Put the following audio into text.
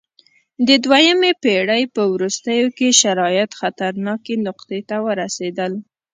د دویمې پېړۍ په وروستیو کې شرایط خطرناکې نقطې ته ورسېدل